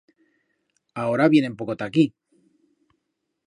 Aora vienen poco ta aquí.